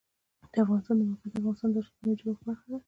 د افغانستان د موقعیت د افغانستان د اجتماعي جوړښت برخه ده.